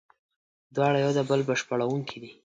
دواړه یو د بل بشپړوونکي دي.